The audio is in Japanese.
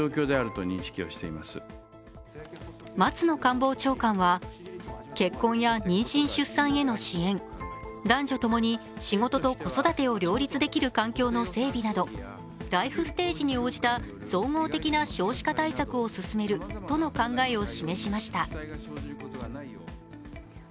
松野官房長官は結婚や妊娠・出産への支援男女共に仕事と子育てを両立できる環境の整備などライフステージに応じた総合的な少子化対策を進めるとの考えを示しました。